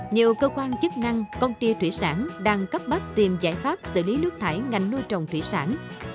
nhiều cơ quan chức năng công ty thủy sản đang cấp bách tìm giải pháp xử lý nước thải ngành nuôi trồng thủy sản